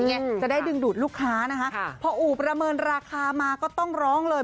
จะได้ดึงดูดลูกค้านะคะพออู่ประเมินราคามาก็ต้องร้องเลย